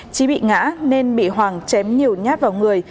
trí bị ngã nên bị hoàng chém nhiều nhát vào người